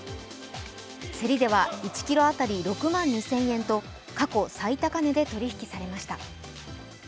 競りでは１ｋｇ当たり６万２０００円と過去最高値で取り引きされました。